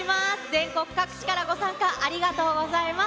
全国各地からご参加、ありがとうございます。